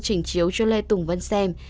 trình chiếu cho lê tùng vân xem